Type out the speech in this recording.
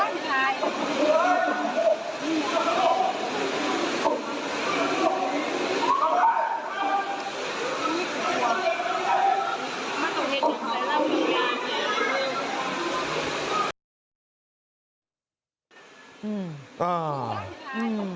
ทิ้งนะครับ